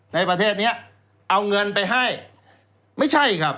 ในประเทศเนี้ยเอาเงินไปให้ไม่ใช่ครับ